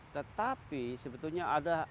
tetapi sebetulnya ada